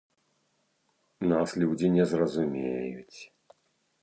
Нас людзі не зразумеюць.